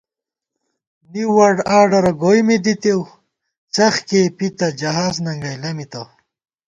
نِیؤ ورلڈآرڈرَہ گوئی می دِتېؤ څخ کېئ پِتہ جہاز ننگَئ لَمِتہ